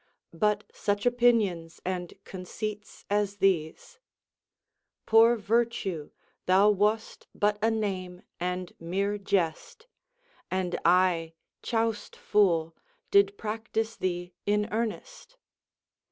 But such opinions and conceits as these, — Poor virtue ! thou wast but a name, and mere jest, And I, clioust fool, did practise thee in earnest, OF SUPERSTITION.